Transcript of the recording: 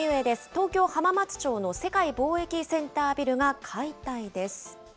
東京・浜松町の世界貿易センタービルが解体です。